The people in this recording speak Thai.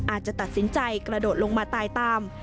อาจจะตัดสินใจกระโดดลงมาตายตาม